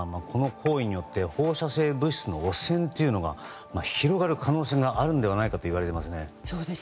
この行為によって放射性物質の汚染というのが広がる可能性があるのではないかといわれていますね。